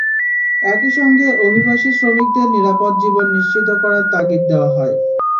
একই সঙ্গে অভিবাসী শ্রমিকদের নিরাপদ জীবন নিশ্চিত করার তাগিদ দেওয়া হয়।